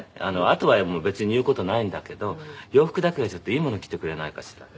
あとは別に言う事ないんだけど洋服だけはちょっといいもの着てくれないかしら」。